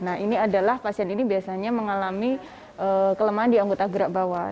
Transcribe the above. nah ini adalah pasien ini biasanya mengalami kelemahan di anggota gerak bawah